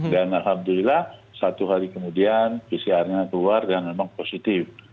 dan alhamdulillah satu hari kemudian pcr nya keluar dan memang positif